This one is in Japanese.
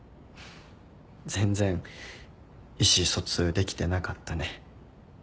全然意思疎通できてなかったね。